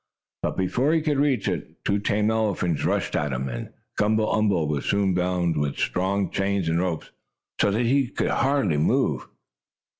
But before he could reach it, two tame elephants rushed at him, and Gumble umble was soon bound with strong chains and ropes, so that he could hardly move.